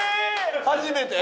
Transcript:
初めて？